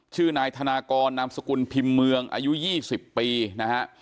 ชื่อนายธนากรนามสกุลพิมพ์เมืองอายุ๒๐ปีนะฮะ